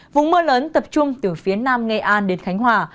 vùng mưa lớn tập trung từ phía nam nghệ an đến khánh hòa